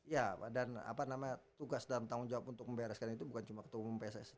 iya dan tugas dan tanggung jawab untuk membereskan itu bukan cuma ketua umum pss